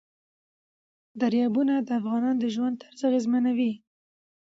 دریابونه د افغانانو د ژوند طرز اغېزمنوي.